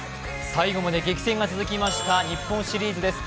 最後まで激戦が続きました日本シリーズです。